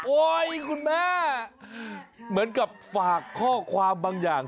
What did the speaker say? คุณแม่เหมือนกับฝากข้อความบางอย่าง